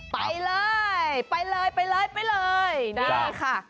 ไปเลยไปเลยไปเลยไปเลยนี่ค่ะ